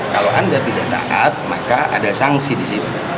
kalau anda tidak taat maka ada sanksi di situ